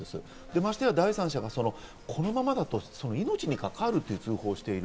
ましてや第三者がこのままだと命に関わるという通報をしている。